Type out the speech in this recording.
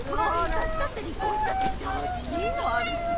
私だって離婚したし借金もあるし。